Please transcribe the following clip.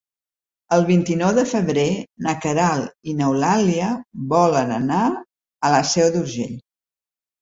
El vint-i-nou de febrer na Queralt i n'Eulàlia volen anar a la Seu d'Urgell.